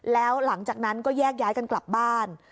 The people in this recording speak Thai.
แล้วหลังจากนั้นก็แยกย้ายกันกลับบ้าน